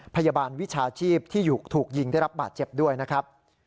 พยาบาลวิชาชีพที่ถูกยิงได้รับบาดเจ็บด้วยนะครับ